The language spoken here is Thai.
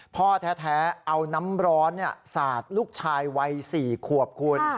พ่อแท้เอาน้ำร้อนสาดลูกชายวัย๔ขวบคุณ